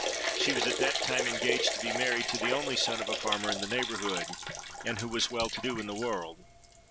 She was at that time engaged to be married to the only son of a farmer in the neighbourhood, and who was well to do in the world.